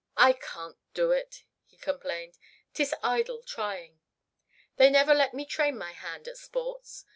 "I can't do it," he complained. "'Tis idle trying. They never let me train my hand at sports."